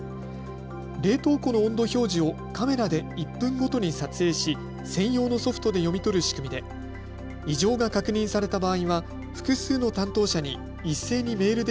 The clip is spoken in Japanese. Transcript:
冷凍庫の温度表示をカメラで１分ごとに撮影し、専用のソフトで読み取る仕組みで異常が確認された場合は複数の担当者に一斉にメールで